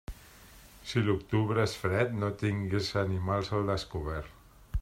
Si l'octubre és fred, no tingues animals al descobert.